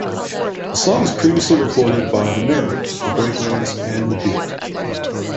The song was previously recorded by The Nerves, The Breakaways and The Beat.